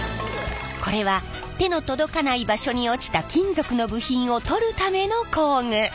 これは手の届かない場所に落ちた金属の部品を取るための工具。